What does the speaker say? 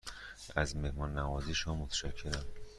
از مهمان نوازی شما متشکرم.